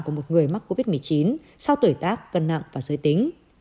của một người mắc covid một mươi chín sau tuổi tác cân nặng và giới tính